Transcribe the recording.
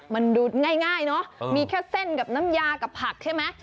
มันดูง่ายเนอะมีแค่เส้นกับน้ำยากับผักใช่ไหม